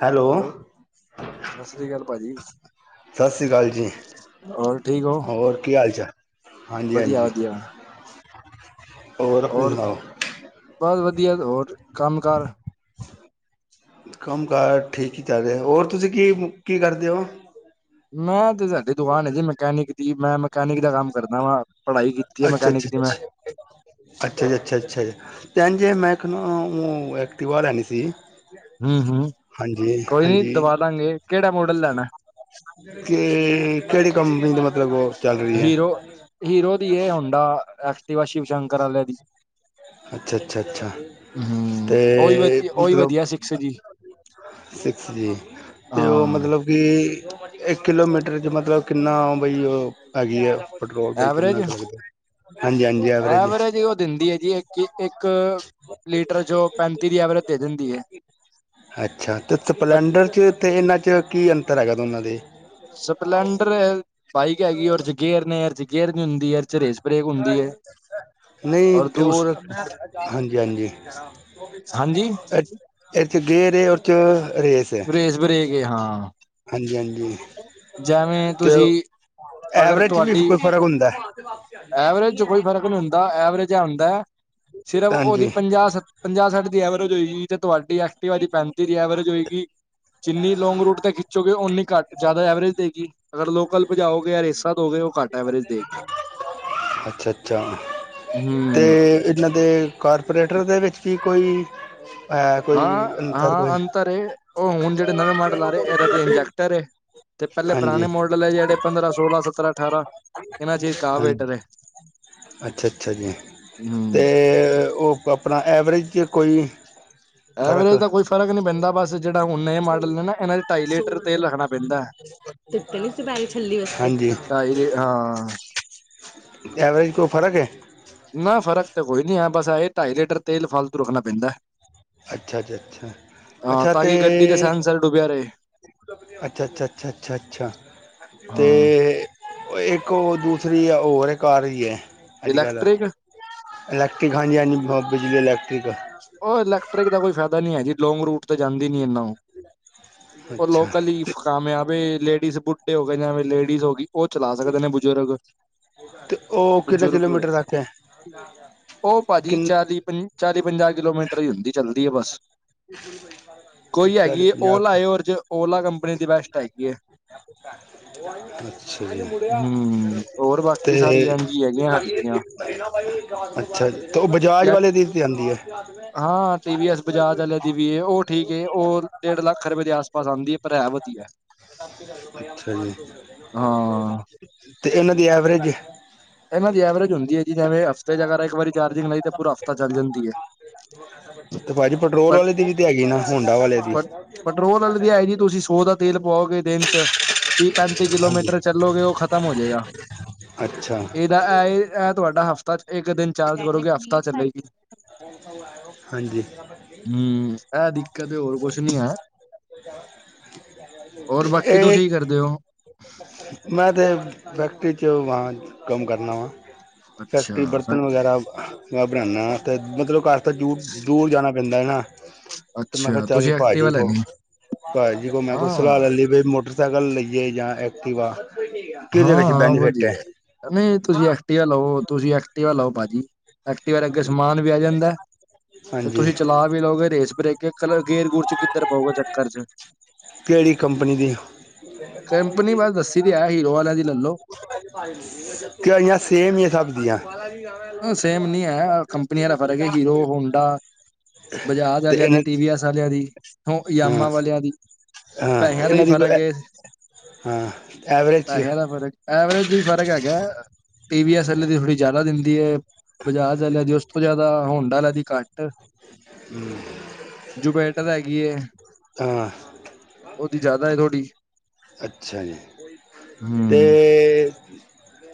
Hello ਸਸ ਸ੍ਰੀ ਕਾਲ ਭਾਜੀ। ਸਸ ਸ੍ਰੀ ਕਾਲ ਜੀ, ਹੋਰ ਕੀ ਹਾਲ-ਚਾਲ। ਵਧੀਆ-ਵਧੀਆ। ਆਪਣੀ ਹੋਰ ਸੁਣਾਓ ਬਸ ਵਧੀਆ ਹੋਰ ਕੰਮ ਕਾਰ ਕੰਮ ਕਾਰ ਠੀਕ ਹੀ ਚੱਲ ਰਿਹਾ ਹੋਰ ਤੁਸੀਂ ਕੀ, ਕੀ ਕਰਦੇ ਹੋ? ਮੈਂ ਤੇ ਸਾਡੀ ਦੁਕਾਨ ਹੈ ਜੇ ਮਕੈਨਿਕ ਦੀ ਮੈਂ ਮਕੈਨਿਕ ਦਾ ਕੰਮ ਕਰਦਾ ਵਾ ਪੜ੍ਹਾਈ ਕੀਤੀ ਹੈ ਅੱਛਾ ਮਕੈਨਿਕ ਅੱਛਾ ਦੀ ਮੈਂ। ਅੱਛਾ ਜੀ ਅੱਛਾ-ਅੱਛਾ ਤੇ ਇੰਜ ਏ ਮੈਂ ਐਕਟਿਵਾ ਲੈਣੀ ਸੀ। ਹੂੰ ਹੂੰ ਹਾਂਜੀ ਕੋਈ ਨੀ ਹਾਂਜੀ ਦਵਾ ਦਾਂਗੇ। ਕਿਹੜਾ ਮੋਡਲ ਲੈਣਾ ਕਿ ਕਿਹੜੀ ਕੰਪਨੀ ਦਾ ਮਤਲਬ ਉਹ ਚੱਲ ਰਹੀ ਹੈ ਹੀਰੋ, ਹੀਰੋ ਦੀ ਏ ਹੋਂਡਾ ਐਕਟਿਵਾ ਸ਼ਿਵ ਸ਼ੰਕਰ ਆਲਿਆਂ ਦੀ। ਅੱਛਾ-ਅੱਛਾ, ਅੱਛਾ ਹਮ ਤੇ ਉਹੀ ਵਧੀ ਉਹੀ ਮਤਲਬ ਵਧੀਆ ਸਿਕਸ ਜੀ ਸਿਕਸ ਜੀ ਤੇ ਉਹ ਹਾਂ ਮਤਲਬ ਕਿ ਇੱਕ ਕਿਲੋਮੀਟਰ ਚ ਮਤਲਬ ਕਿੰਨਾ ਬਈ ਉਹ ਹੈਗੀ ਹੈ? ਪੈਟਰੋਲ ਬਈ ਐਵਰੇਜ ਕਿੰਨਾ ਕੁ ਲੱਗਦਾ ਹਾਂਜੀ-ਹਾਂਜੀ ਐਵਰੇਜ। ਕ ਇੱਕ ਲੀਟਰ ਜੋ ਪੈਂਤੀ ਦੀ ਐਵਰੇਜ ਦੇ ਦਿੰਦੀ ਹੈ। ਅੱਛਾ ਤੇ ਸਪਲੈਂਡਰ ਚ ਤੇ ਇਹਨਾਂ ਚ ਕੀ ਅੰਤਰ ਹੈਗਾ ਦੋਨਾਂ ਦੇ ਸਪਲੈਂਡਰ ਬਾਈਕ ਹੈਗੀ ਉਹਦੇ ਚ ਗੇਅਰ ਨੇ ਇਹਦੇ ਚ ਗੇਅਰ ਹੁੰਦੀ ਐ ਚ ਰੇਸਪਰੇਕ ਹੁੰਦੀ ਐ। ਨਈ ਤੇ ਓਰ ਹਾਂਜੀ-ਹਾਂਜੀ। ਹਾਂਜੀ ਇਹਦੇ ਚ ਗੇਰੇ ਉਹਦੇ ਚ ਰੇਸ ਐ ਬ੍ਰੇਕ ਏ ਹਾਂ ਹਾਂਜੀ-ਹਾਂਜੀ। ਜੈਵੇਂ ਤੇ ਤੁਸੀਂ ਅਗਰ ਐਵਰੇਜ ਚ ਵੀ ਤੁਹਾਡੀ ਕੋਈ ਫ਼ਰਕ ਹੁੰਦਾ। ਐਵਰੇਜ ਚ ਕੋਈ ਫ਼ਰਕ ਨੀ ਹੁੰਦਾ ਐਵਰੇਜ ਹੁੰਦਾ ਚ ਐ ਹੁੰਦਾ ਸਿਰਫ ਓਦੀ ਹਾਂਜੀ ਪੰਜਾਹ ਸ ਪੰਜਾਹ ਸੱਠ ਦੀ ਐਵਰੇਜ ਹੋਏ ਗੀ ਤੇ ਤੁਹਾਡੀ ਐਕਟੀਵਾ ਦੀ ਪੈਂਤੀ ਦੀ ਐਵਰੇਜ ਹੋਏਗੀ ਜਿੰਨੀ ਲੋਂਂਗ ਰੂਟ ਤੇ ਖਿੱਚੋਗੇ ਓਨੀ ਘੱਟ ਜਾਦਾ ਐਵਰੇਜ ਦੇਗੀ ਅਗਰ ਲੋਕਲ ਭਜਾਓਗੇ ਰੇਸਾਂ ਦੋਗੇ ਓ ਘੱਟ ਐਵਰੇਜ ਦੇਗੀ ਅੱਛਾ-ਅੱਛਾ ਤੇ ਹੂੰ। ਏਨਾਂ ਦੇ ਕਾਰਪੋਰੇਟਰ ਦੇ ਵਿੱਚ ਵੀ ਕੋਈ ਹੈ ਕੋਈ ਅੰਤਰ ਕੋਈ। ਓ ਹੁਣ ਜੇੜ੍ਹੇ ਨਵੇਂ ਮਾਡਲ ਆ ਰੇ ਏਨਾ ਦੇ ਇੰਜੈਕਟਰ ਏ ਤੇ ਪੈਲੇ ਹਾਂਜੀ ਪੁਰਾਣੇ ਮਾਡਲ ਜੇੜ੍ਹੇ ਪੰਦਰਾਂ, ਸੋਲਾਂ, ਸਤਰਾਂ, ਠਾਰਾ ਕਾਬੇਟਰ ਐ। ਅੱਛਾ-ਅੱਛਾ ਜੀ। ਤੇ ਓ ਆਪਣਾ ਐਵਰੇਜ ਚ ਕੋਈ ਫ਼ਰਕ ਐਵਰੇਜ ਦਾ ਕੋਈ ਫਰਕ ਨੀ ਪੈਂਦਾ ਬਸ ਜੇੜਾ ਹੁਣ ਏ ਮਾਡਲ ਨੇ ਨਾ ਏਨਾ ਢਾਈ ਲੀਟਰ ਤੇਲ ਰੱਖਣਾ ਪੈਂਦਾ, ਵਸਤੇ ਢਾਈ ਲੀ ਹਾਂ। ਐਵਰੇਜ ਕੋ ਫਰਕ ਏ। ਨਾ ਫ਼ਰਕ ਤਾਂ ਕੋਈ ਨੀ ਹੈ ਬਸ ਆਏ ਢਾਈ ਲੀਟਰ ਤੇਲ ਫਾਲਤੂ ਰੁਕਣਾ ਪੈਂਦੈ। ਅੱਛਾ ਜੀ ਅੱਛਾ ਹਾਂ ਤਾਂ ਕਿ ਗੱਡੀ ਤੇ ਸਹਿਨ ਸਰ ਡੁੱਬਿਆ ਰਏ। ਅੱਛਾ-ਅੱਛਾ-ਅੱਛਾ-ਅੱਛਾ-ਅੱਛਾ ਤੇ ਹਾਂ। ਓ ਇ ਕ ਓ ਦੂਸਰੀ ਆ ਓ ਹਲੇ ਘਰ ਈ ਐ। ਅੱਜ ਕੱਲ੍ਹ ਇਲੈਕਟ੍ਰਿਕ ਇਲੈਕਟ੍ਰਿਕ ਹਾਂਜੀ-ਹਾਂਜੀ ਬਿਜਲੀ ਇਲੈਕਟ੍ਰਿਕ ਓ ਇਲੈਕਟ੍ਰਿਕ ਦਾ ਕੋਈ ਫੈਦਾ ਨੀ ਐ ਜੀ ਲੋਂਂਗ ਰੂਟ ਤੇ ਜਾਂਦੀ ਨੀ ਇਨਾਂ ਓ ਓ ਅੱਛਾ ਲੋਕਲੀ ਤੇ ਕਾਮਯਾਬ ਏ ਲੇਡੀਜ਼ ਬੁੱਢੇ ਹੋ ਗਏ ਲੇਡੀਜ਼ ਹੋ ਗੀ ਓ ਚਲਾ ਸਕਦੇ ਨੇ ਬਜ਼ੁਰਗ ਤੇ ਉਹ ਕਿੰਨੇ ਬਜ਼ੁਰਗ ਕਿਲੋਮੀਟਰ ਤੱਕ ਹੈ ਓ ਭਾਜੀ ਕਿੰਨ ਚਾਲੀ ਪੰ ਚਾਲੀ ਪੰਜਾਹ ਕਿਲੋਮੀਟਰ ਈ ਹੁੰਦੀ ਚਲਦੀ ਐ ਬਸ ਕੋਈ ਚਾਲੀ ਹੈਗੀ ਏ ਓ ਪੰਜਾਹ ਲਾਇ ਓ ਕੰਪ ਆਪਣੀ ਦੀ ਬੈਸਟ ਹੈਗੀ ਏ। [unintelligible] ਹਮ ਹੋਰ ਤੇ ਬਾਕੀ ਸਾਰੀ ਐਨਜੀ ਹੈਗੀਆਂ ਹਲਕੀਆਂ ਅੱਛਾ ਤੇ ਓ ਬਜਾਜ ਯਾਰ ਵਾਲੇ ਦੀ ਆਂਦੀ ਏ। ਹਾਂ ਟੀ ਵੀ ਐਸ ਬਜਾਜ ਅਲਿਆ ਦੀ ਵੀ ਏ ਓ ਠੀਕ ਏ ਓ ਡੇਢ ਲੱਖ ਰੁਪਏ ਦੇ ਆਸ ਪਾਸ ਆਂਦੀ ਐ ਪਰ ਐ। ਐ ਵਧੀਐ ਅੱਛਾ ਹਾਂ ਜੀ ਤੇ ਏਨਾਂ ਦੀ ਐਵਰੇਜ ਏਨਾ ਦੀ ਐਵਰੇਜ ਹੁੰਦੀ ਐ ਜੀ ਜਿਵੇਂ ਹਫ਼ਤੇ 'ਚ ਅਗਰ ਇੱਕ ਵਾਰੀ ਚਾਰਜਿੰਗ ਲਈ ਤੇ ਪੂਰਾ ਹਫ਼ਤਾ ਚੱਲ ਜਾਂਦੀ ਏ। ਤੇ ਭਾਜੀ ਪੈਟਰੋਲ ਪ ਵਾਲੇ ਦੀ ਵੀ ਤੇ ਹੈਗੀ ਨਾ ਹੋਂਡਾ ਵਾਲੇ ਦੀ। ਪ ਪੈਟਰੋਲ ਆਲੀ ਦੀ ਤੁਸੀਂ ਸੋ ਦਾ ਤੇਲ ਪਵਾਓਗੇ ਦਿਨ 'ਚ ਤੀਹ ਪੈਂਤੀ ਹਾਂਜੀ। ਕਿਲੋਮੀਟਰ ਚੱਲੋਗੇ ਓ ਖਤਮ ਹੋਜੇਗਾ। ਅੱਛਾ ਏਦਾ ਐ ਏ ਤੁਹਾਡਾ ਹਫ਼ਤਾ ਇੱਕ ਦਿਨ ਚਾਰਜ ਕਰੋਗੇ ਹਫ਼ਤਾ ਚੱਲੇਗੀ। ਹਾਂਜੀ ਹੂੰ ਐ ਦਿੱਕਤ ਐ ਹੋਰ ਕੁੱਛ ਨੀ ਹੈ। [unintelligible] ਤੇ ਹੋਰ ਬਾਕੀ ਇਹ ਤੁਸੀ ਹੀ ਕਰਦੇ ਓ। ਮੈਂ ਤੇ ਫੈਕਟਰੀ 'ਚ ਵਾਂ ਕੰਮ ਕਰਨਾ ਵਾ। ਫੈਕਟਰੀ ਅੱਛਾ ਬਰਤਨ ਵਗੈਰਾ ਮੈਂ ਬਣਾਣਾ ਵਾਂ ਤੇ ਮਤਲਬ ਘਰ ਤਾਂ ਦੂਰ- ਦੂਰ ਜਾਣਾ ਪੈਂਦਾ ਨਾ। ਤੇ ਮੈਂ ਕਾ ਅੱਛਾ ਚੱਲ ਤੁਸੀਂ ਐਕਟਿਵਾ ਭਾਜੀ ਕੋਲ ਲੈਣੀ ਭਾਜੀ ਕੋਲ ਮੈਂ ਕੋਲ ਸਲਾਹ ਲੈ ਹਾਂ ਲਈ ਬੀ ਮੋਟਰ ਸੈਕਲ ਲਈਏ ਜਾਂ ਐਕਟੀਵਾ ਕਿਹਦੇ ਵਿੱਚ ਹਾਂ-ਹਾਂ ਬੈਨੀਫਿਟ ਹੈ ਵਧੀਐ ਨਈ ਤੁਸੀਂ ਐਕਟਿਵਾ ਲੋ ਤੁਸੀਂ ਐਕਟਿਵਾ ਲੋ ਭਾਜੀ ਐਕਟੀਵਾ ਰ ਅੱਗੇ ਸਮਾਨ ਵੀ ਆ ਜਾਂਦਾ ਤੇ ਹਾਂਜੀ ਤੁਸੀਂ ਚਲਾ ਵੀ ਲਓਗੇ ਰੇਸ ਬ੍ਰੇਕ ਇੱਕ ਕਲਰ ਗੇਰ ਗੁਰ 'ਚ ਕਿੱਧਰ ਪਊਗਾ ਚੱਕਰ 'ਚ ਕਿਹੜੀ ਕੰਪਨੀ ਦੀ ਕਪਨੀ ਬਸ ਦੱਸੀ ਦੀ ਐ ਹੀਰੋ ਵਾਲਿਆਂ ਦੀ ਲੱਲ ਲੋ। ਕਿ ਇਆਂ ਸੇਮ ਹੀ ਸਬਦੀਆ ਕੰਪਨੀਆਂ ਦਾ ਫਰਕ ਹੈ ਹੀਰੋ ਹੋਂਡਾ ਬਜਾਜ ਤੇ ਵਾਲਿਆਂ ਦੀ ਇਹਨਾਂ ਟੀ ਵੀ ਐਸ ਆਲਿਆਂ ਦੀ। ਹੂੰ ਹਾਂ ਯਾਮਾਂ ਵਾਲਿਆਂ ਦੀ ਹਾਂ ਤੇ ਪੈਸਿਆਂ ਦਾ ਹੀ ਇਹਨਾਂ ਦੀ ਫ਼ਰਕ ਏ। ਹਾਂ ਐਵਰੇਜ ਪੈਸਿਆਂ ਦਾ ਫਰਕ ਐਵਰੇਜ ਵੀ ਫ਼ਰਕ ਹੈਗਾ ਟੀ ਵੀ ਐਸ ਐਲ ਦੀ ਥੋੜੀ ਜ਼ਿਆਦਾ ਦਿੰਦੀ ਏ। ਬਜਾਜ ਵਾਲਿਆਂ ਦੀ ਉਸ ਤੋਂ ਜਿਆਦਾ ਹੋਂਡ ਵਾਲਾ ਦੀ ਘੱਟ ਜੋ ਬੈਟਰ ਹੈਗੀ ਹੈ। ਹਾਂ ਉਹਦੀ ਜ਼ਿਆਦਾ ਥੋੜੀ ਅੱਛਾ ਜੀ ਤੇ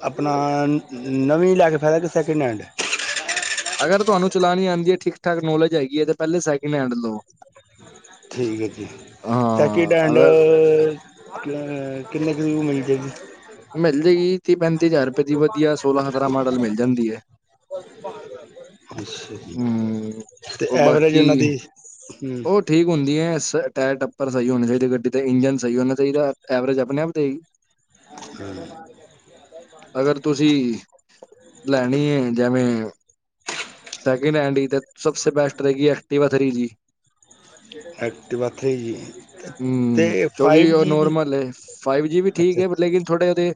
ਆਪਣਾ ਨਵੀ ਲੈ ਫੈਦਾ ਕੀ ਸੈਕਿੰਡ ਹੈਂਡ ਅਗਰ ਤੁਹਾਨੂੰ ਚਲਾਉਣੀ ਆਂਦੀ ਹੈ ਠੀਕ ਠਾਕ ਨੋਲੇਜ ਹੈਗੀ ਹੈ ਤੇ ਪਹਿਲੇ ਸੈਕਿੰਡ ਹੈਂਡ ਲੋ। ਠੀਕ ਹੈ ਜੀ ਸੈਕਿੰਡ ਹਾਂ, ਹੈਂਡ ਅਗਰ ਮਲ ਕਿੰਨੇ ਕੁਊ ਮਿਲਜੇ ਗੀ। ਮਿਲ ਜਾਏਗੀ ਤੀਹ ਪੈਂਤੀ ਹਜ਼ਾਰ ਰੁਪਏ ਦੀ ਵਧੀਆ ਸੋਲਾਂ ਸਤਾਰਾਂ ਮਾਡਲ ਮਿਲ ਜਾਂਦੀ ਏ। ਅੱਛਾ ਜੀ ਹੂੰ ਤੇ ਉਹ ਐਵਰੇਜ ਬਾਕੀ ਉਹਨਾਂ ਦੀ ਉਹ ਠੀਕ ਹੁੰਦੀ ਹੈ ਟਾਇਰ ਟੱਪਰ ਸਹੀ ਹੋਣੇ। ਚਹੀ ਗੱਡੀ ਤੇ ਇੰਜਨ ਸਹੀ ਉਹੇ ਚਾਹੀਦਾ ਐਵਰੇਜ ਆਪਣੇ ਆਪ ਤੇ ਦੇਏਗੀ। ਹੂੰ [inaudible] ਅਗਰ ਤੁਸੀਂ ਲੈਣੀ ਏ ਜੇਵੇਂ ਸੈਕਿੰਡ ਹੈਂਡ ਈ ਤੇ, ਸਬ ਸੇ ਬੈਸਟ ਰਹੇਗੀ, Activa three G. Activa three G ਹੂੰ, ਤੇ ਕਿਉਂਕਿ ਫਾਈਵ ਉਹ ਜੀ ਵੀ ਨੋਰਮਲ ਏ, ਫਾਈਵ ਜੀ ਵੀ ਠੀਕ ਅੱਛਾ ਏ ਲੇਕਿਨ ਥੋੜ੍ਹੇ ਉਹਦੇ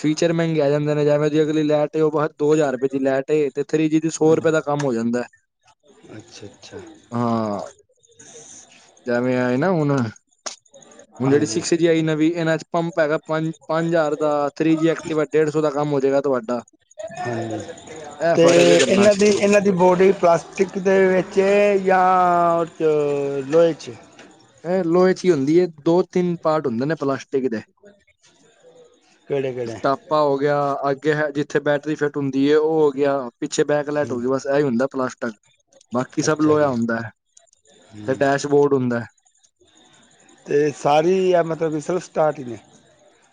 ਫੀਚਰ ਮਹਿੰਗੇ ਆ ਜਾਂਦੇ ਨੇ, ਜੇਵੇ ਦੀ ਅਗਲੀ ਲੈਟ ਤੇ ਉਹ ਬ ਦੋ ਜ਼ਾਰ ਰੁਪਏ ਦੀ ਲੈਟ ਏ। ਤੇ ਥੀ ਜੀ ਦੀ ਸੋ ਰੁਪਏ ਦਾ ਕੰਮ ਹੋ ਜਾਂਦਾ ਐ। ਅੱਛਾ-ਅੱਛਾ। ਜਿਵੇਂ ਆਏ ਨਾ ਹੁਣ ਹੁਣ ਜਿਹੜੀ ਸਿਕਸ ਜੀ ਆਈ ਨਵੀਂ, ਇਹਨਾਂ ਚ ਪੰਪ ਹੈਗਾ, ਪੰਜ-ਪੰਜ ਜਾਰ ਦਾ, ਥੀ ਜੀ ਐ [unintelligible] ਡੇਢ ਸੌ ਦਾ ਕੰਮ ਹੋ ਜਾਏਗਾ ਤੁਹਾਡਾ। ਹਾਂਜੀ, ਇਹ ਤੇ ਫ਼ਰਕ ਹੈ ਗੱਲਾਂ ਇਹਨਾਂ ਚ ਦੀ ਇਹਨਾਂ ਦੀ ਬੋਡੀ ਪਲਾਸਟਿਕ ਦੇ ਵਿੱਚ ਏ, ਯਾ ਉਹ ਚ ਲੋਹੇ ਚ? ਇਹ ਲੋਹੇ ਚ ਈ ਹੁੰਦੀ ਏ, ਦੋ ਤਿੰਨ ਪਾਰਟ ਹੁੰਦੇ ਨੇ ਪਲਾਸ [inaudible] ਟਾਪਾ ਹੋ ਗਿਆ, ਅੱਗੇ ਹੈ ਜਿੱਥੇ ਬੈਟਰੀ ਫਿੱਟ ਹੁੰਦੀ ਏ, ਉਹ ਹੋ ਗਿਆ। ਪਿੱਛੇ ਬੈਕ ਲੈਟ ਹੂੰ ਹੋ ਗਈ, ਬਸ ਏਹੀ ਹੁੰਦਾ ਪਲਾਸਟਕ। ਬਾਕੀ ਸਭ ਅੱਛਾ ਲੋਇਆ ਜੀ ਹੁੰਦਾ ਹੈ। ਤੇ ਡੈਸ਼ਬੋਰਡ ਹੁੰਦਾ ਹੈ। ਤੇ ਸਾਰੀ ਏ ਮਤਲਬ ਕਿ ਸੈਲਫ ਸਟਾਰਟ ਈ ਨੇ?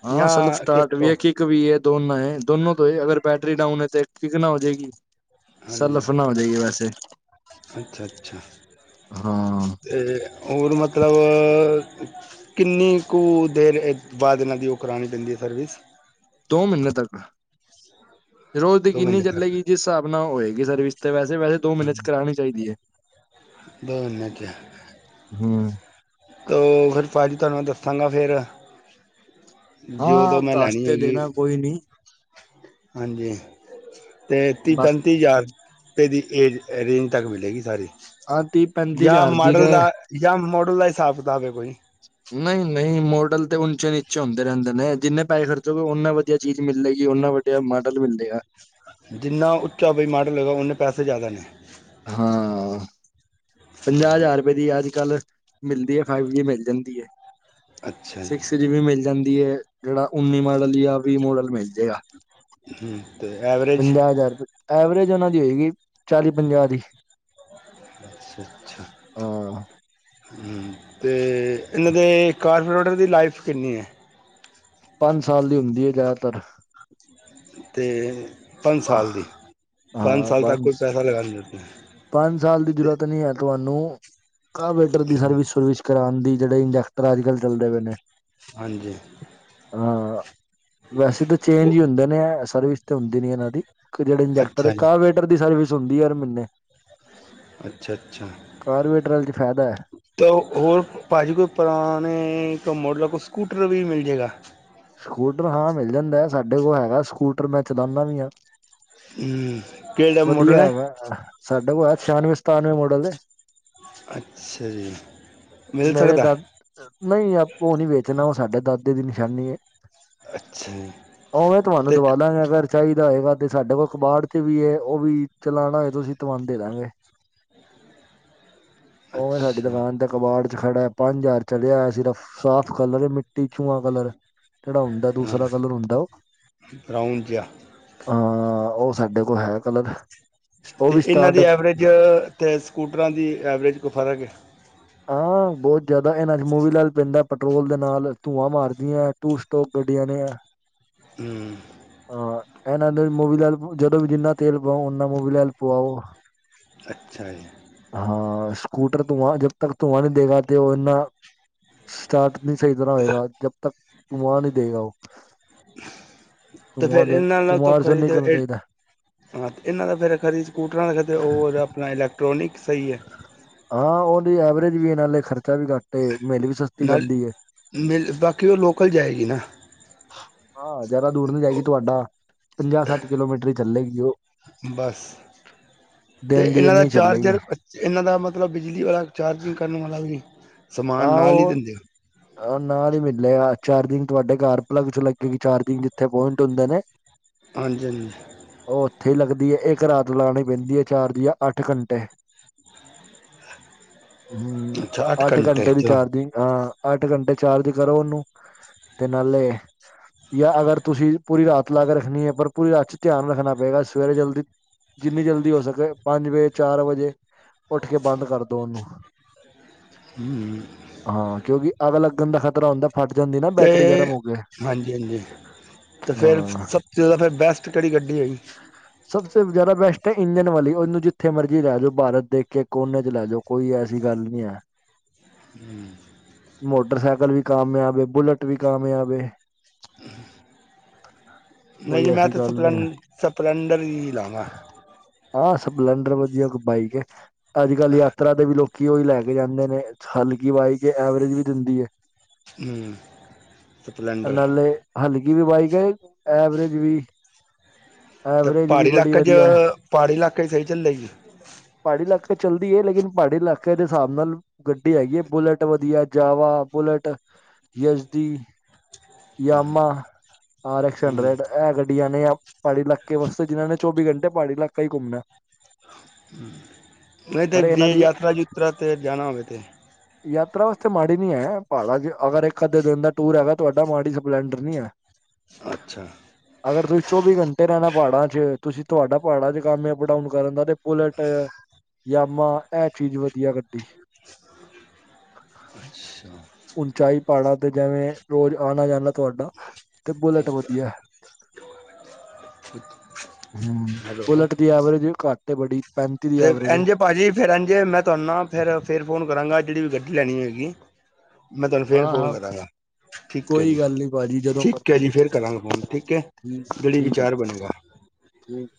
ਹਾਂ ਜਾਂ ਸੈਲਫ ਕਿੱਕ ਸਟਾਰਟ ਵੀ ਤੋਂ ਏ, ਕਿਕ ਵੀ ਏ, ਦੋਨ ਏ। ਦੋਨੋ ਤੋਂ ਹੀ, ਅਗਰ ਬੈਟਰੀ ਡਾਊਨ ਏ, ਤੇ ਕਿਕ ਨਾਲ ਹੋ ਜਾਏਗੀ, ਸਲਫ ਨਾ ਹੋ ਜਾਏਗੀ ਵੈਸੇ। ਅੱਛਾ-ਅੱਛਾ, ਹਾਂ ਤੇ ਔਰ ਮਤਲਵ ਕਿੰਨੀ ਕੁ ਦੇਰ ਏ, ਬਾਦ ਇਹਨਾਂ ਦੀ ਉਹ ਕਰਾਣੀ ਪੈਂਦੀ ਏ ਸਰਵਿਸ? ਦੋ ਮਹੀਨੇ ਤੱਕ। ਰੋਜ਼ ਦੋ ਯਕੀਨੀ ਮਹੀਨੇ ਤੱਕ ਚੱਲੇਗੀ ਜਿਸ ਹਿਸਾਬ ਨਾਲ ਹੋਏਗੀ ਸਰਵਿਸ ਤੇ ਵੈਸੇ -ਵੈਸੇ ਦੋ ਮਹੀਨੇ 'ਚ ਕਰਾਣੀ ਚਾਹੀਦੀ ਹੈ। ਬ ਨ ਗਿਹਾ। ਹੂੰ। ਕ ਫੇਰ ਭਾਜੀ ਤੁਹਾਨੂੰ ਮੈਂ ਦੱਸਾਂਗਾ ਫਿਰ ਜਦੋ ਹਾਂ ਮੈਂ ਦੱਸ ਲੈਣੀ ਤੇ ਹੋਏਗੀ। ਦੇਣਾ ਕੋਈ ਨੀ ਹਾਂਜੀ, ਤੇ ਤੀ ਬਸ ਪੈਂਤੀ ਯਾਰ ਪੇ ਦੀ ਏਜ, ਏਹ ਰੇਂਜ ਤੱਕ ਮਿਲੇਗੀ ਸਾਰੀ, ਆਹ ਤੀਹ ਪੈਂਤੀ ਯਾ ਹਜ਼ਾਰ ਦੀ ਮਾਡਲ ਤੇ ਦਾ ਜਾਂ ਮੋ ਖੁਲਾ ਹਿਸਾਬ ਕਿਤਾਬ ਏ ਕੋਈ? ਨਈ-ਨਈ, ਮੋਡਲ ਤੇ ਉਂਚੇ ਨੀਚੇ ਹੁੰਦੇ ਰਹਿੰਦੇ ਨੇ, ਜਿੰਨੇ ਪੈੇਹੇ ਖਰਚੋਗੇ, ਔਨੇ ਵਧੀਆ ਚੀਜ਼ ਮਿਲ ਮਿਲੇਗੀ, ਉਹਨਾ ਵੱਡੀਆ ਮਾਡਲ ਮਿਲ ਜੇਗਾ। ਜਿੰਨਾ ਉੱਚਾ ਕੋਈ ਮਾਡਲ ਹੋਏਗਾ, ਉਨੇ ਪੈਸੇ ਜ਼ਿਆਦਾ ਨੇ। ਹਾਂ, ਪੰਜਾਹ ਜ਼ਾਰ ਰੁਪਏ ਦੀ ਅੱਜ ਕੱਲ੍ਹ ਮਿਲਦੀ ਏ, ਫਾਈਵ ਜੀ ਮਿਲ ਜਾਂਦੀ ਏ, ਸਿਕਸ ਜੀ ਵੀ ਮਿਲ ਜਾਂਦੀ ਏ ਜਿਹੜਾ ਉੱਨੀ ਮਾਡਲ, ਯਾ ਵੀਹ ਮੋਡਲ ਮਿਲ ਜੇਗਾ। ਹੂੰ। ਤੇ ਐਵਰੇਜ ਪੰਜਾਹ ਹਜ਼ਾਰ ਰੁਪਏ, ਐਵਰੇਜ ਉਹਨਾਂ ਦੀ ਹੋਏਗੀ, ਚਾਲੀ ਪੰਜਾਹ ਦੀ। ਅੱਛਾ-ਅੱਛਾ, ਹਾਂ ਹੂੰ। ਤੇ ਇਹਨਾਂ ਦੇ ਕਾਰਪੋਰੇਟਰ ਦੀ ਲਾਈਫ ਕਿੰਨੀ ਏ? ਪੰਜ ਸਾਲ ਦੀ ਹੁੰਦੀ ਏ ਜ਼ਿਆਦਾਤਰ। ਤੇ, ਪੰਜ ਸਾਲ ਦੀ ਹਾਂ, ਸਾਲ ਤੱਕ ਪੰਜ, ਕੋਈ ਪੈਸਾ ਲਗਾਉਣ ਨਹੀਂ ਪੰਜ ਸਾਲ ਦੀ ਅਤੇ ਜਰੂਰਤ ਨਹੀਂ ਹੈ ਤੁਹਾ ਨੌ, ਕਾਵੇਟਰ ਦੀ ਸਰਵਿਸ ਸੁਰਵਿਸ ਕਰਾਣ ਦੀ, ਜਿਹੜੇ ਇੰਜੈਕਟਰ ਅੱਜ ਕੱਲ ਚੱਲਦੇ ਬੇ ਨੇ। ਹਾਂਜੀ। ਹਾਂ, ਵੈਸੇ ਤੇ ਚੇਂਜ ਈ ਉਹ ਹੁੰਦੇ ਨੇ ਐ, ਸਰਵਿਸ ਤੇ ਹੁੰਦੀ ਨਹੀਂ ਇਹਨਾਂ ਕਿ ਜਿਹੜੇ ਇੰਜੈਕਟਰ ਏ, ਅੱਛਾ ਜੀ ਕਾਵੇਟਰ ਦੀ ਸਰਵਿਸ ਹੁੰਦੀ ਹਰ ਮਹੀਨੇ। ਅੱਛਾ-ਅੱਛਾ। ਕਾਰਵੇਟਰ ਚ ਫਾਇਦਾ ਹੈ ਤੇ ਔ ਹੋਰ, ਭਾਜੀ ਕੋਈ ਪੁਰਾਣੇ ਕ ਮੋਡਲ ਦਾ ਕੁਛ ਸਕੂਟਰ ਵੀ ਮਿਲ ਜੇਗਾ। ਸਕੂਟਰ ਹਾਂ ਮਿਲ ਜਾਂਦਾ ਏ, ਸਾਡੇ ਕੋਲ ਹੈਗਾ ਸਕੂਟਰ ਮੈਂ ਚਲਾਨਾ ਵੀ ਆ। ਹਮ ਕਿਹੜਾ ਵਧੀਆ ਮੋਡਲ ਹੈ ਹੈਗਾ ਅ ਸਾਡਾ ਕੋਲ ਹੈ ਛਿਆਨਵੇਂ, ਸਤਾਨਵੇਂ ਮਾਡਲ ਏ। ਅੱਛਾ ਜੀ ਮਿਲ ਮੇਰੇ ਸਕਦਾ ਦਾਦ ਨਹੀਂ ਆਪੋ ਉ ਨਹੀਂ ਵੇਚਨਾ ਸਾਡੇ ਦਾਦੇ ਦੀ ਨਿਸ਼ਾਨੀ ਏ। ਅੱਛਾ ਜੀ ਉਵੇਂ ਤੁਹਾਨੂੰ ਤੇ ਦਵਾਲਾ ਅਗਰ ਚਾਹੀਦਾ ਹੋਏਗਾ। ਤੇ ਸਾਡੇ ਕੋਲ ਕਬਾੜ ਚ ਵੀ ਏ। ਉਹ ਵੀ ਚਲਾਣਾ ਹੇ ਤੁਸੀ ਤੁਹਾਨੂੰ ਦੇ ਦਾਂਗੇ। ਉਵੇਂ ਸਾਡੀ ਅੱਛਾ ਦੁਕਾਨ ਤੇ ਕਬਾੜ ਖੜਾ ਹੈ ਪੰਜ ਹਜ਼ਾਰ ਚੱਲਿਆ ਸਿਰਫ, ਸਾਫ਼ ਕਲਰ ਮਿੱਟੀ ਚੁਆਂ ਕਲਰ। ਖੇੜਾ ਹੁੰਦਾ ਹਾਂ ਦੂਸਰਾ ਕਲਰ ਹੁੰਦਾ ਉ, ਰਾਊਂਡ ਜਿਹਾ ਹਾਂ ਉ ਸਾਡੇ ਕੋਲ ਹੈ ਕਲਰ। ਤੇ ਵੀ ਇਹਨਾਂ ਸਟਾਰਟ ਦੀ ਐਵਰੇਜ ਤੇ ਸਕੂਟਰਾਂ ਦੀ ਐਵਰੇਜ ਕੋਈ ਫ਼ਰਕ ਏ। ਹਾਂ ਬਹੁਤ ਜਿਆਦਾ ਇਹਨਾ ਚ ਮੂਵੀਲਾਲ ਪੈਂਦਾ ਪੈਟ੍ਰੋਲ ਦੇ ਨਾਲ ਧੂਵਾਂ ਮਾਰਦੀਆਂ ਟੂ ਸਟੋਪ ਗੱਡੀ [unintelligible] ਹ ਹਾਂ, ਇਹਨਾਂ ਨੂੰ ਮੂਵੀਲਾਲ ਜਦੋਂ ਵੀ ਜਿੰਨਾ ਤੇਲ ਪਵਾਓ ਉੱਨਾ ਮੂਵੀਲਾਲ ਪਵਾਓ। ਅੱਛਾ ਜੀ। ਹਾਂ ਸਕੂਟਰ ਧੂਆਂ ਜਬ ਤੱਕ ਧੂਆਂ ਨਹੀਂ ਦੇਗਾ ਤੇ ਉਹ ਇੰਨਾ ਸਟਾਰਟ ਨਹੀਂ ਸਹੀ ਤਰ੍ਹਾਂ ਹੋਏਗਾ ਜਬ ਤੱਕ ਧੂਆਂ ਨਹੀਂ ਦੇਗਾ ਉ। ਤੇ ਫੇਰ ਇੰਨਾ ਨਾਲ ਤੋਂ ਖਰੀਦੇ ਏ ਚਾਹੀਦਾ ਹਾਂ ਤੇ ਇਹਨਾਂ ਤਾਂ ਫਿਰ ਖਰੇ ਸਕੂਟਰਾਂ [unintelligible] ਉਹ ਆਪਣਾ ਇਲੈਕਟ੍ਰਾਨਿਕ ਹਾਂ ਉਹਦੀ ਐਵਰੇਜ ਵੀ ਨਾਲੇ ਖਰਚਾ ਵੀ ਘੱਟ ਏ। ਮਿਲ ਵੀ ਸਸਤੀ ਨਾਲ ਜਾਂਦੀ ਹੈ ਮਿਲ ਬਾਕੀ ਉਹ ਲੋਕਲ ਜਾਏਗੀ ਨਾ। ਹਾਂ ਜਾਦਾ ਦੂਰ ਨਹੀਂ ਜਾਏਗੀ ਤੁਹਾਡਾ ਪੰਜਾਹ, ਸੱਠ ਕਿਲੋਮੀਟਰ ਚੱਲੇਗੀ ਉਹ। ਬਸ ਤੇ ਦਿਨ ਦੀ ਇਹਨਾਂ ਦਾ ਇੰਨੀ ਚੱਲੇਗੀ ਚਾਰਜਰ ਇਹਨਾਂ ਦਾ ਮਤਲਬ ਬਿਜਲੀ ਵਾਲਾ ਚਾਰਜਿੰਗ ਕਰਨ ਵਾਲਾ ਵੀ ਸਮਾਨ ਹਾਂ ਨਾਲ ਹੀ ਉਹ ਦਿੰਦੇ ਹੋ। ਨਾਲ ਹੀ ਮਿਲੇਗਾ ਚਾਰਜਿੰਗ ਤੁਹਾਡੇ ਘਰ ਪਲੱਗ ਚ ਲੱਗੇਗੀ ਚਾਰਜਿੰਗ ਜਿੱਥੇ ਪੁਆਇੰਟ ਹੁੰਦੇ ਨੇ। ਹਾਂਜੀ-ਹਾਂਜੀ ਥੇ ਲੱਗਦੀ ਹੈ ਇੱਕ ਰਾਤ ਲਾਉਣੀ ਪੈਂਦੀ ਏ ਚਾਰ ਯਾ ਅੱਠ ਘੰਟੇ। ਹ ਅੱਠ ਘੰਟੇ ਦੀ ਚਾਰਜਿੰਗ, ਹਾਂ। ਅੱਠ ਘੰਟੇ ਚਾਰਜ ਕਰੋ ਉਹਨੂੰ ਤੇ ਨਾਲੇ ਯਾ ਅਗਰ ਤੁਸੀਂ ਪੂਰੀ ਰਾਤ ਲਾ ਕੇ ਰੱਖਣੀ ਹੈ ਪਰ ਪੂਰੀ ਰਾਤ ਚ ਧਿਆਨ ਰੱਖਣਾ ਪਏਗਾ ਸਵੇਰੇ ਜਲਦੀ ਜਿੰਨੀ ਜਲਦੀ ਹੋ ਸਕੇ ਪੰਜ ਵਜੇ, ਚਾਰ ਵਜੇ ਉੱਠ ਕੇ ਬੰਦ ਕਰਦੋ ਉਹਨੂੰ। ਹੂੰ ਹਾਂ ਕਿਉਂਕਿ ਅੱਗ ਲੱਗਣ ਦਾ ਖ਼ਤਰਾ ਹੁੰਦਾ ਫਟ ਜਾਂਦੀ ਨਾ ਤੇ ਬੈਟਰੀ ਗਰਮ ਹੋ ਕੇ। ਹਾਂਜੀ ਹਾਂਜੀ ਤੇ ਫੇਰ ਹਾਂ ਸਬ ਤੋਂ ਜਾਦਾ ਫੇਰ ਬੈਸਟ ਕਿਹੜੀ ਗੱਡੀ ਹੈਗੀ। ਤੇ ਇੰਜਨ ਵਾਲੀ ਉਹਨੂੰ ਜਿੱਥੇ ਮਰਜ਼ੀ ਲੈ ਜਾਓ ਭਾਰਤ ਦੇਖ ਕੇ ਕੋਨੇ ਚ ਲੈ ਜਾਓ ਕੋਈ ਐਸੀ ਗੱਲ ਨੀ ਹੈ। ਹ। ਹਮ। ਮੋਟਰਸਾਈਕਲ ਵੀ ਕਾਮਯਾਬ ਏ, ਬੁਲੇਟ ਵੀ ਕਾਮਯਾਬ ਏ। ਨਹੀਂ ਜੀ ਮੈਂ ਤੇ ਸਪਲੈਂ ਸਪਲੈਂਡਰ ਹੀ ਲਾਂਗਾ। ਹਾਂ ਸਪਲੈਂਡਰ ਵਧੀਆ ਬਾਈਕ ਹੈ ਅੱਜ ਕੱਲ੍ਹ ਯਾਤਰਾ ਦੇ ਵੀ ਲੋਕ ਕਿ ਉਹੀ ਲੈ ਕੇ ਜਾਂਦੇ ਨੇ ਹਲਕੀ ਬਾਈਕ ਏ ਐਵਰੇਜ ਵੀ ਦਿੰਦੀ ਏ। ਹੂੰ ਸਪਲੈਂਡਰ ਨਾਲੇ ਹਲ ਵੀ ਬਾਈਕ ਹੈ ਐਵਰੇਜ ਵੀ ਤੇ ਐਵਰੇਜ ਵੀ ਪਹਾੜੀ ਬੜੀ ਇਲਾਕੇ 'ਚ ਵਧੀਆ ਹੈ ਪਹਾੜੀ ਇਲਾਕੇ 'ਚ ਸਹੀ ਚੱਲੇਗੀ ਪਹਾੜੀ ਇਲਾਕੇ ਚੱਲਦੀ ਹੈ ਲੇਕਿਨ ਪਹਾੜੀ ਇਲਾਕੇ ਦੇ ਹਿਸਾਬ ਨਾਲ ਗੱਡੀ ਹੈਗੀ ਹੈ ਬੁਲੇਟ ਵਧੀਆ, Jawa bullet Yezdi, Yamaha, R X ਹੂੰ ਹੰਡਰਡ ਇਹ ਗੱਡੀਆਂ ਨੇ। ਪਹਾੜੀ ਇਲਾਕੇ ਵਾਸਤੇ ਜਿਨ੍ਹਾਂ ਨੇ ਚੌਵੀ ਘੰਟੇ ਪਹਾੜੀ ਇਲਾਕਾ ਹੀ ਘੁੰਮਨੇ। ਨਹੀਂ ਤੇ ਪਰ ਇਹਨਾਂ ਜੇ ਦੀ ਯਾਤਰਾ-ਯੂਤਰਾ ਤੇ ਜਾਣਾ ਹੋਵੇ ਤੇ ਯਾਤਰਾ ਵਾਸਤੇ ਮਾੜੀ ਨੀ ਹੈਹਾੜਾ ਅਗਰ ਇੱਕ-ਅੱਧੇ ਦਿਨ ਦਾ ਟੂਰ ਹੈਗਾ ਤੁਹਾਡਾ ਮਾੜੀ ਸਪਲੈਂਡਰ ਨਹੀਂ ਐ। ਅੱਛਾ। ਅਗਰਸੀ ਚੌਵੀ ਘੰੇ- ਤੇ ਰਹਿਣਾ ਪਹਾੜਾਂ ਚ ਤੁਸੀਂ ਤੁਹਾਡਾ ਪਹਾੜਾਂ ਚ ਕੰਮ ਅਪ- ਡਾਊਨ ਕਰਨ ਦਾ ਤੇ ਬੁਲਟ ਯਾਮਾ੍ ਇਹ ਚੀਜ਼ ਵਧੀਆ ਕ ਅੱਛਾ ਉਂਚਾਈ। ਪਹਾੜਾਂ ਤੇ ਜੈਵੇਂ ਰੋਜ਼ ਆਣਾ-ਜਾਂਣਾ ਤੁਹਾਡਾ ਤੇ ਬੁਲੇਟ ਵਧੀਆ ਹੂੰ ਹੈਲੋ ਬੁਲਟ ਦੀ ਐਵਰੇਜ ਵੀ ਘੱਟ ਏ੍ ਬੜੀ ਪੈਂਤੀ ਦੀ ਤੇ ਐਵਰੇਜ ਹੈ ਐਂਝ ਏ ਪਾਜੀ ਫੇਿਰ ਐਜ ਏ ਮੈਂ ਤੁਹਾਨੂੰ ਨਾ ਫਿਰ ਫੇਰ ਫੋਨ ਕਰਾਂਗਾ ਜਿਹੜੀ ਵੀ ਗੱਡੀ ਲੈਣੀ ਹੋਏਗੀ ਮੈਂ ਤੁਹਾਨੂੰ ਫੇਿਰ ਹਾਂ ਹਾਂ ਫੋਨ ਕਰਾਂਗਾ। ਠੀਕ ਐ ਜੀ ਕੋਈ ਗੱਲ ਨੀ ਭਾਜੀ ਜਦੋਂ ਠੀਕ ਐ ਜੀ ਫੇਿਰ ਕਰਾਂਗੇ ਫੋਨ ਠੀਕ ਐ। ਠੀਕ ਜਿਹੜੀ ਠੀਕ ਹੈ ਜੀ, ਵਿਚਾਰ ਬਣੂਗਾ। ਠੀਕ।